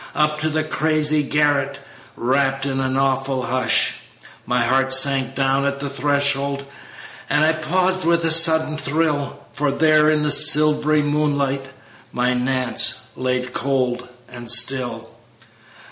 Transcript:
Up to the crazy garret, Wrapped in an awful hush. My heart sank down at the threshold, And I paused with a sudden thrill, For there in the silv'ry moonlight My Nance lay, cold and still.